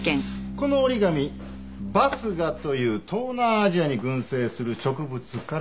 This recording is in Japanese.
この折り紙バスガという東南アジアに群生する植物から作られたものでした。